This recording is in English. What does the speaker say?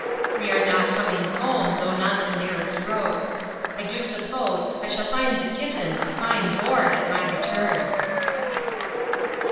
We are now coming home, though not the nearest road. I do suppose, I shall find the kitten a fine boar at my return.